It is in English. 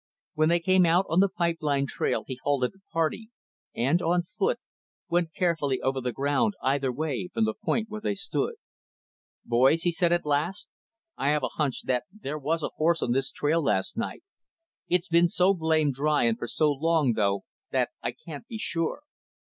When they came out on the pipe line trail, he halted the party, and, on foot, went carefully over the ground either way from the point where they stood. "Boys," he said at last, "I have a hunch that there was a horse on this trail last night. It's been so blamed dry, and for so long, though, that I can't be sure.